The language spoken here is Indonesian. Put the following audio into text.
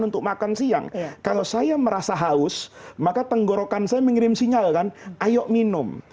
untuk makan siang kalau saya merasa haus maka tenggorokan saya mengirim sinyal kan ayo minum